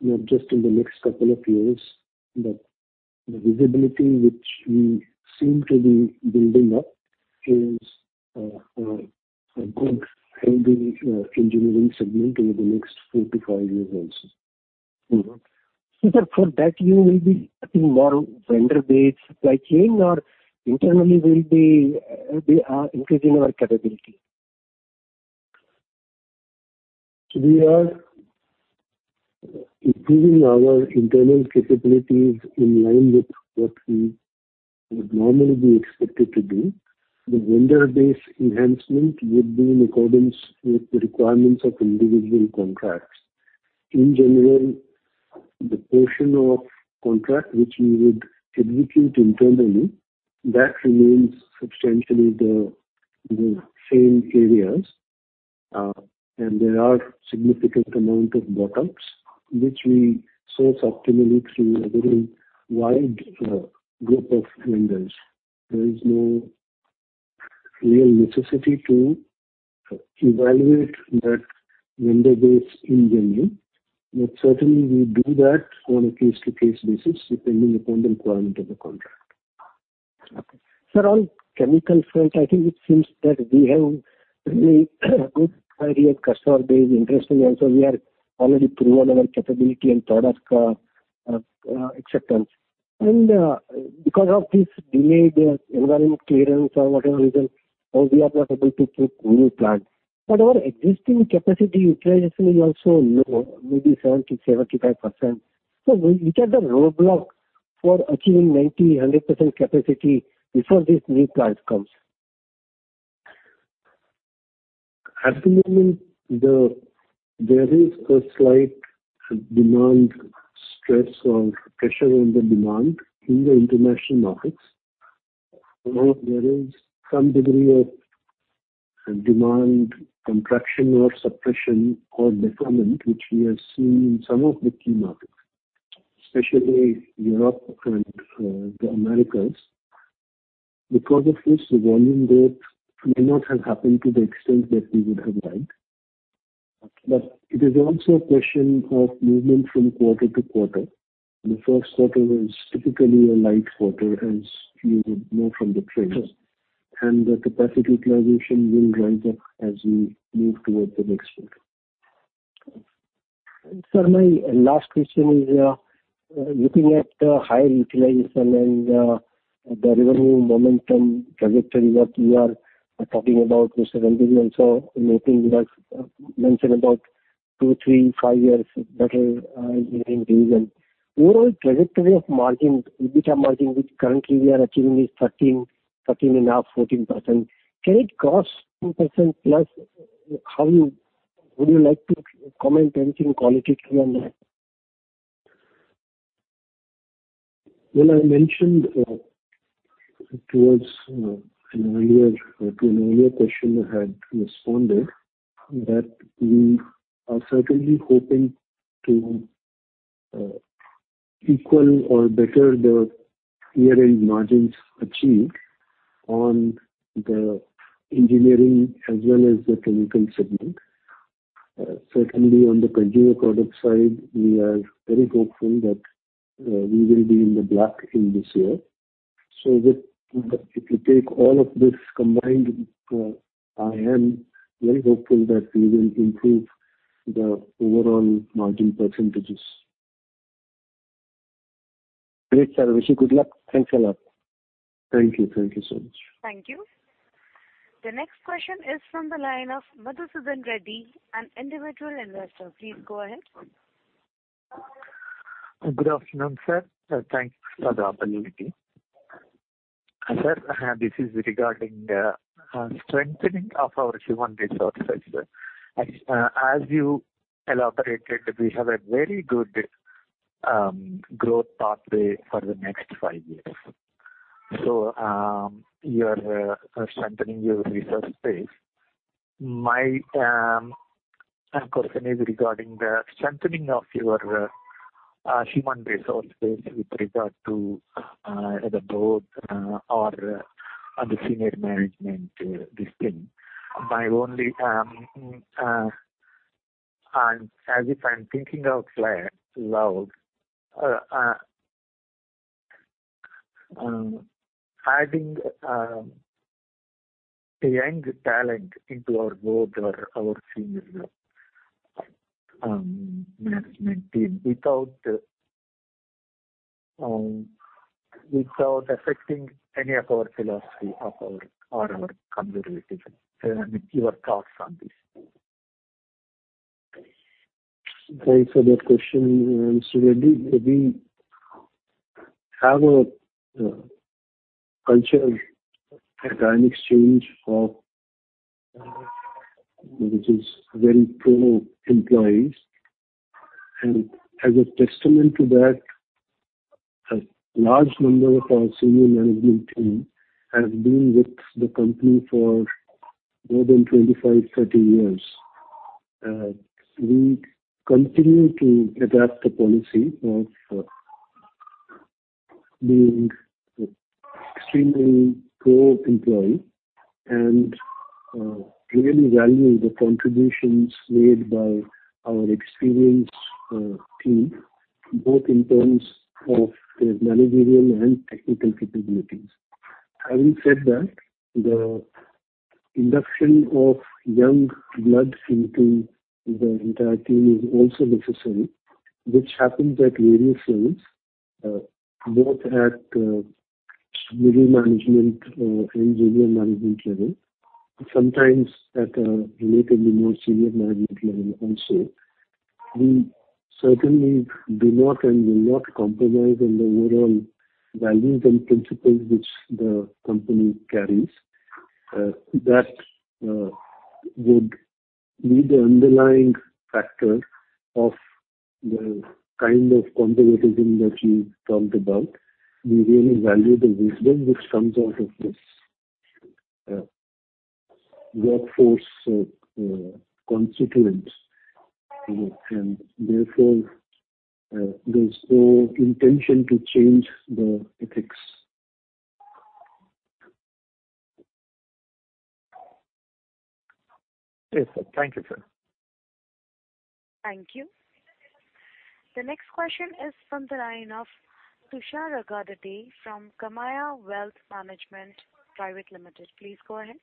not just in the next couple of years, but the visibility which we seem to be building up is a good healthy engineering segment over the next four to five years also. Mm-hmm. Sir, for that you will be having more vendor-based supply chain, or internally we are increasing our capability? We are improving our internal capabilities in line with what we would normally be expected to do. The vendor base enhancement would be in accordance with the requirements of individual contracts. In general, the portion of contract which we would execute internally, that remains substantially the same areas. There are significant amount of bolt-ups which we source optimally through a very wide group of vendors. There is no real necessity to evaluate that vendor base internally. Certainly we do that on a case-to-case basis, depending upon the requirement of the contract. Okay, sir, on chemical front, I think it seems that we have really a good variety of customer base interest. Also we have already proven our capability and product acceptance. Because of this delayed environment clearance or whatever reason, now we are not able to keep new plant. Our existing capacity utilization is also low, maybe 70%-75%. Which are the roadblocks for achieving 90%-100% capacity before this new plant comes? At the moment, there is a slight demand stress or pressure on the demand in the international markets, where there is some degree of demand contraction or suppression or decrement, which we have seen in some of the key markets, especially Europe and the Americas. Because of this, the volume there may not have happened to the extent that we would have liked. Okay. It is also a question of movement from quarter to quarter. The first quarter is typically a light quarter, as you would know from the trends. Sure. The capacity utilization will rise up as we move towards the next quarter. Sir, my last question is, looking at the high utilization and the revenue momentum trajectory that we are talking about, Mr. Ranjit also making that mention about two, three, five years better engineering division. Overall trajectory of margin, EBITDA margin, which currently we are achieving is 13 and a half, 14%. Can it cross 10% plus? Would you like to comment anything qualitatively on that? Well, I mentioned towards an earlier question I had responded, that we are certainly hoping to equal or better the year-end margins achieved on the engineering as well as the chemical segment. Certainly, on the consumer product side, we are very hopeful that we will be in the black in this year. If you take all of this combined, I am very hopeful that we will improve the overall margin percentages. Great, sir. Wish you good luck. Thanks a lot. Thank you. Thank you so much. Thank you. The next question is from the line of Madhusudhan Reddy, an individual investor. Please go ahead. Good afternoon, sir. Thanks for the opportunity. Sir, this is regarding strengthening of our human resources. As you elaborated, we have a very good growth pathway for the next five years. You are strengthening your resource base. My question is regarding the strengthening of your human resource base with regard to the board or the senior management team. As if I'm thinking out loud, adding young talent into our board or our senior management team without affecting any of our philosophy or our competitiveness. Sir, your thoughts on this. Thanks for that question, Mr. Reddy. We have a culture at Ion Exchange which is very pro employees. As a testament to that, a large number of our senior management team have been with the company for more than 25, 30 years. We continue to adapt the policy of being extremely pro employee and really value the contributions made by our experienced team, both in terms of managerial and technical capabilities. Having said that, the induction of young blood into the entire team is also necessary, which happens at various levels, both at middle management and junior management level, sometimes at a relatively more senior management level also. We certainly do not and will not compromise on the overall values and principles which the company carries. That would be the underlying factor of the kind of conservatism that you talked about. We really value the business which comes out of this workforce consequence, therefore, there's no intention to change the ethics. Yes, sir. Thank you, sir. Thank you. The next question is from the line of Tushar Aggarwal from Kamaya Wealth Management Private Limited. Please go ahead.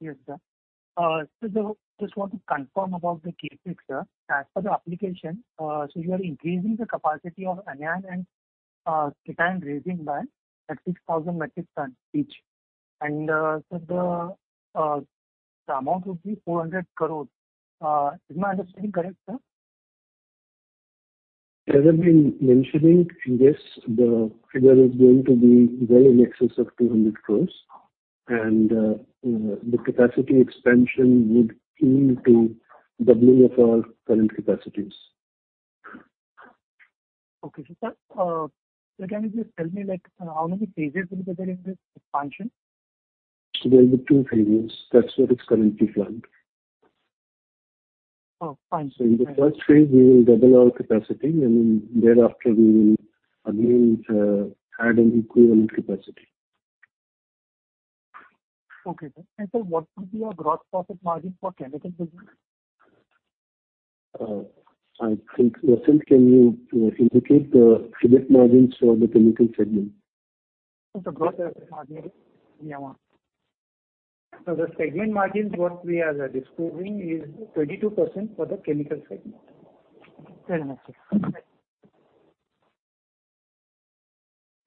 Yes, sir. Sir, just want to confirm about the CapEx, sir. As per the application, so you are increasing the capacity of anion and cation resin by 6,000 metric ton each. Sir, the amount would be 400 crores. Is my understanding correct, sir? As I've been mentioning, yes, the figure is going to be well in excess of 200 crores and the capacity expansion would lead to doubling of our current capacities. Okay. Sir, can you please tell me how many phases will be there in this expansion? There'll be 2 phases. That's what is currently planned. Oh, fine. In the first phase, we will double our capacity, and thereafter we will again add an equivalent capacity. Okay, sir. Sir, what will be your gross profit margin for chemical business? I think, Vasant, can you indicate the segment margins for the chemical segment? The gross margin we want. The segment margins, what we are disclosing is 22% for the chemical segment. Very much, sir.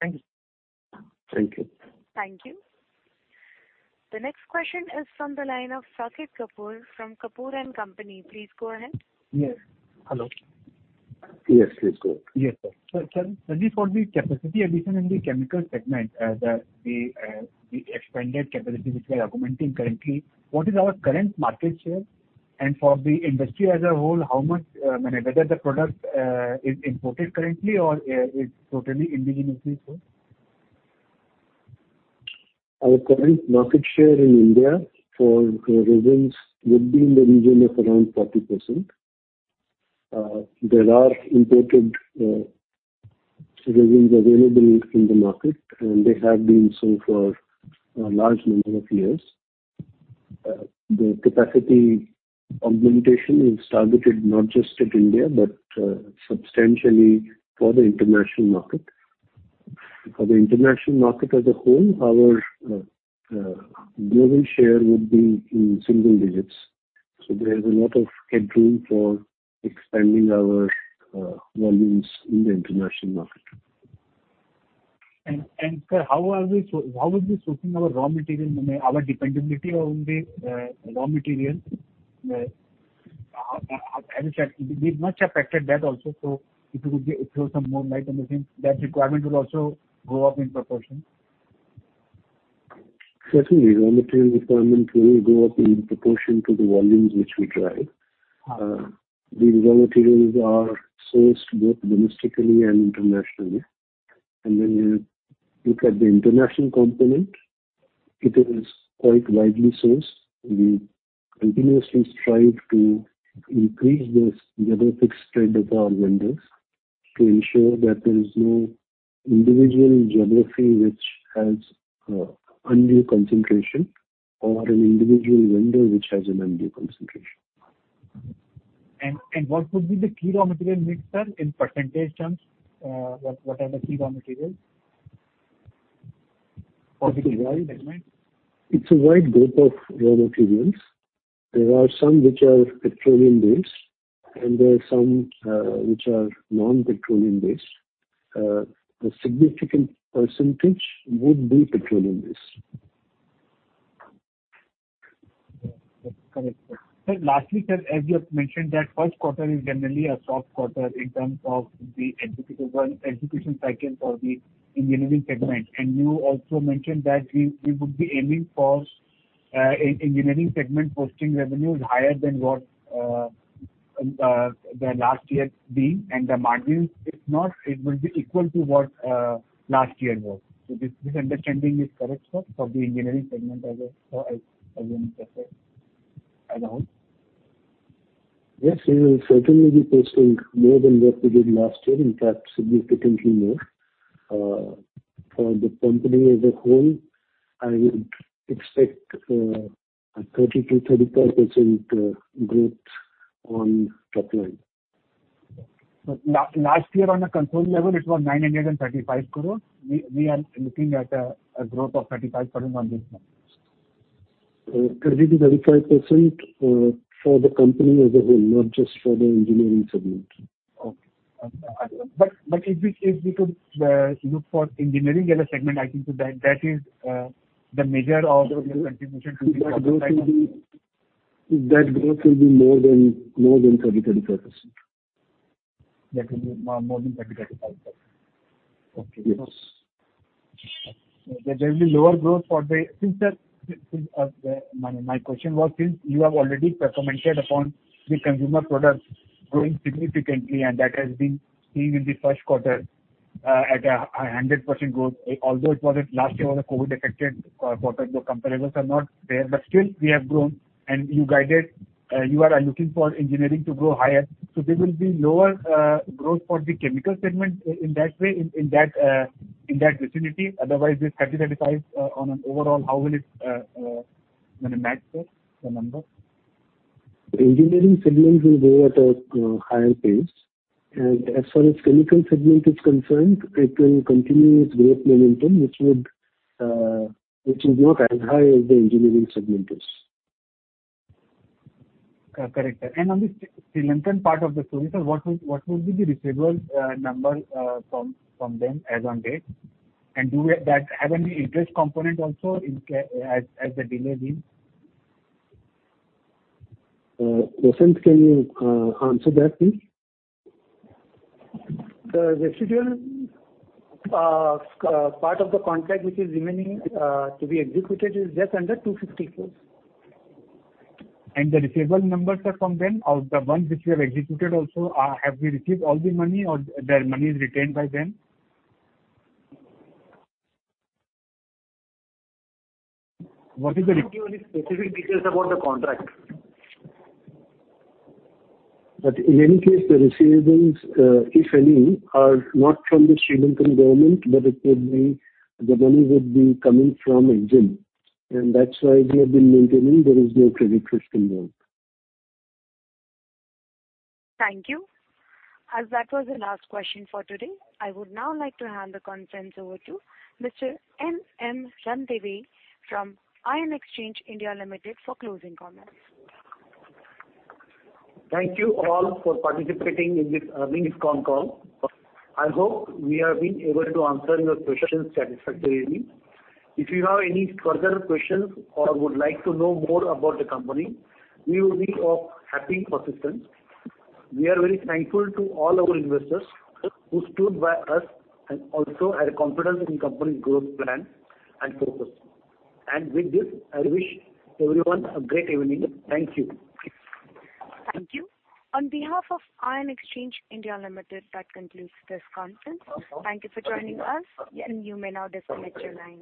Thank you. Thank you. Thank you. The next question is from the line of Saket Kapoor from Kapoor & Company. Please go ahead. Yes. Hello. Yes, please go ahead. Yes, sir. Just for the capacity addition in the chemical segment, the expanded capacity which we are augmenting currently, what is our current market share? For the industry as a whole, whether the product is imported currently or it's totally indigenously sold? Our current market share in India for resins would be in the region of around 40%. There are imported resins available in the market, and they have been so for a large number of years. The capacity augmentation is targeted not just at India, but substantially for the international market. For the international market as a whole, our global share would be in single digits. There's a lot of headroom for expanding our volumes in the international market. Sir, how are we sourcing our raw material, our dependability on the raw material? We've not sure affected that also. If you could throw some more light on this, that requirement will also go up in proportion. Certainly, raw material requirement will go up in proportion to the volumes which we drive. These raw materials are sourced both domestically and internationally. When you look at the international component, it is quite widely sourced. We continuously strive to increase the geographic spread of our vendors to ensure that there is no individual geography which has undue concentration or an individual vendor which has an undue concentration. What would be the key raw material mix, sir, in percentage terms? What are the key raw materials for the chemical segment? It's a wide group of raw materials. There are some which are petroleum-based, and there are some which are non-petroleum-based. A significant percentage would be petroleum-based. Correct, sir. Sir, lastly, sir, as you have mentioned that first quarter is generally a soft quarter in terms of the execution cycle for the engineering segment. You also mentioned that we would be aiming for engineering segment posting revenues higher than what the last year's been, and the margins, if not, it will be equal to what last year was. This understanding is correct, sir, for the engineering segment as well, sir, again, around? Yes, we will certainly be posting more than what we did last year, in fact, significantly more. For the company as a whole, I would expect a 30%-35% growth on top line. Last year on a consolidated level, it was 935 crores. We are looking at a growth of 35% on this number. 30%-35% for the company as a whole, not just for the engineering segment. Okay. If we could look for Engineering as a segment, I think that is the major of the contribution. That growth will be more than 30% to 35%. That will be more than 30%-35%. Okay. Yes. My question was, since you have already commented upon the Consumer Products growing significantly, and that has been seen in the first quarter at 100% growth, although it was last year was a COVID-affected quarter, so comparables are not there, but still we have grown, and you are looking for Engineering to grow higher, so there will be lower growth for the Chemical Segment in that way, in that vicinity? Otherwise, this 30%-35% on an overall, how will it match the number? Engineering Segment will grow at a higher pace. As far as Chemical Segment is concerned, it will continue its growth momentum, which is not as high as the Engineering Segment is. Correct. On the Sri Lankan part of the story, sir, what will be the receivable number from them as on date? Does that have any interest component also as a delay in? Prasanna, can you answer that, please? The residual part of the contract which is remaining to be executed is just under 250 crores. The receivable numbers are from them, or the ones which we have executed also, have we received all the money, or their money is retained by them? I can't give you any specific details about the contract. In any case, the receivables, if any, are not from the Sri Lankan government, but the money would be coming from Engine. That's why we have been maintaining there is no credit risk involved. Thank you. As that was the last question for today, I would now like to hand the conference over to Mr. N.M. Ranadive from Ion Exchange (India) Limited for closing comments. Thank you all for participating in this earnings con call. I hope we have been able to answer your questions satisfactorily. If you have any further questions or would like to know more about the company, we will be of happy assistance. We are very thankful to all our investors who stood by us and also had confidence in company growth plan and focus. With this, I wish everyone a great evening. Thank you. Thank you. On behalf of Ion Exchange India Limited, that concludes this conference. Thank you for joining us, and you may now disconnect your lines.